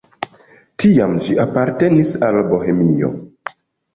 Tiam ĝi apartenis al Bohemio.